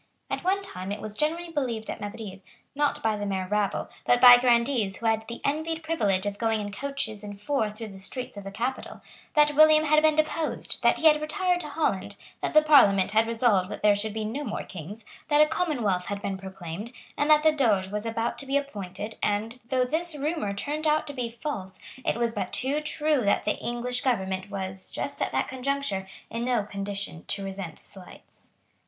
At one time it was generally believed at Madrid, not by the mere rabble, but by Grandees who had the envied privilege of going in coaches and four through the streets of the capital, that William had been deposed, that he had retired to Holland, that the Parliament had resolved that there should be no more kings, that a commonwealth had been proclaimed, and that a Doge was about to be appointed and, though this rumour turned out to be false, it was but too true that the English government was, just at that conjuncture, in no condition to resent slights.